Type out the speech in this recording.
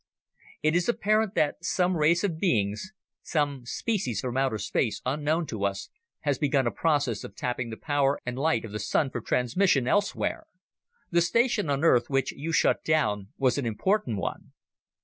"It is apparent that some race of beings, some species from outer space, unknown to us, has begun a process of tapping the power and light of the Sun for transmission elsewhere. The station on Earth, which you shut down, was an important one.